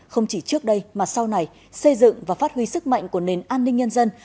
không chỉ trước đây mà sau này xây dựng và phát huy sức mạnh của nền an ninh nhân dân